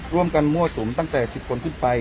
ร่วมกันมั่วสุมตั้งแต่๑๐คนขึ้นไป